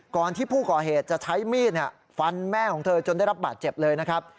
ก่อนที่ผู้ก่อเหตุจะใช้มีดฟันแม่ของเธอจนได้รับบาดเจ็บเลยนะครับ